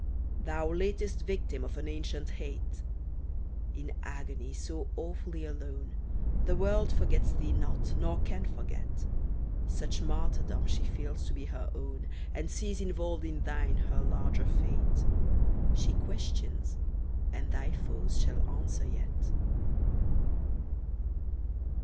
Thou latest victim of an ancient hate ! In agony so awfully alone. The world forgets thee not, nor can forget : i8 DREYFUS Such martyrdom she feels to be her own, And sees involved in thine her larger fate ; She questions, and thy foes shall answer yet.